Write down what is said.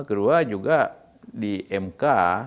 kedua juga di mk